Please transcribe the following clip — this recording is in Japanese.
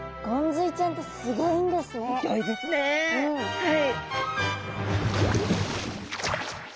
はい。